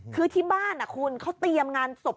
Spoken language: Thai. คือที่บ้านคุณเขาเตรียมงานศพ